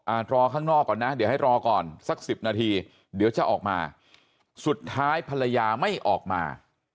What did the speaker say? รอข้างนอกก่อนนะเดี๋ยวให้รอก่อนสักสิบนาทีเดี๋ยวจะออกมาสุดท้ายภรรยาไม่ออกมา